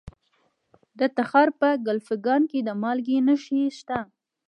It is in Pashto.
د تخار په کلفګان کې د مالګې نښې شته.